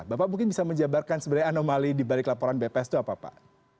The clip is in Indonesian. bapak mungkin bisa menjabarkan sebenarnya anomali dibalik laporan bps itu apa pak